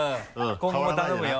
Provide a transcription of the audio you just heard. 今後も頼むよ。